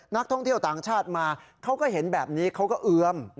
นักท่องเที่ยวต่างชาติมาเขาก็เห็นแบบนี้เขาก็เอือม